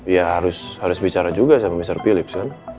ya harus bicara juga sama mr philips kan